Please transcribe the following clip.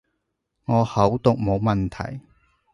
我口讀冇問題